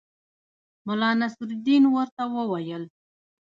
ملا نصرالدین ورته وویل.